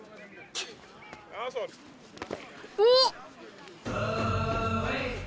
おっ！？